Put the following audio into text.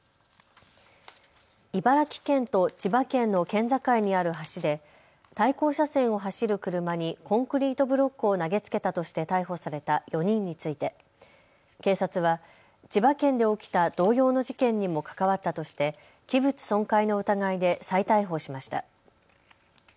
茨城県と千葉県の県境にある橋で対向車線を走る車にコンクリートブロックを投げつけたとして逮捕された４人について警察は千葉県で起きた同様の事件にも関わったとして器物損壊の疑いで再逮捕しました。